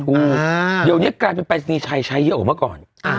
ถูกเดี๋ยวนี้กลายเป็นปรายศนีย์ชัยใช้เยอะกว่าเมื่อก่อน